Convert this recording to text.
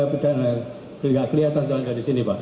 tidak kelihatan jangan dari sini pak